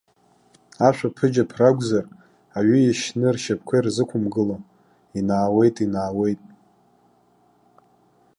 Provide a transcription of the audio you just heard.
Ашәаԥыџьаԥ ракәзар, аҩы иашьны ршьапқәа изрықәымгыло инаауеит, инаауеит.